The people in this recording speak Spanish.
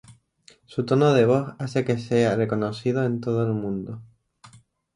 Su tono de voz hace que sea reconocido en todo el mundo.